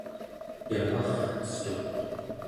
yagarcetuq